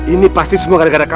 ini pasti semua gara gara kamu ya